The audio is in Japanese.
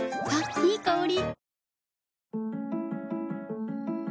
いい香り。